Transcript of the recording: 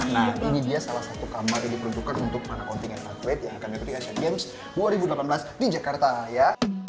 nah ini dia salah satu kamar yang diperuntukkan untuk para kontingen atlet yang akan dapat di asian games dua ribu delapan belas di jakarta ya